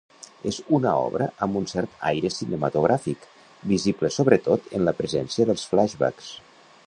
És una obra amb un cert aire cinematogràfic, visible sobretot en la presència dels flashbacks.